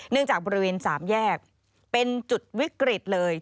จากบริเวณ๓แยกเป็นจุดวิกฤตเลย